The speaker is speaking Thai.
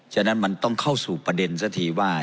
ฉะนั้นมันต้องเข้าสู่ประเด็นซะทีว่า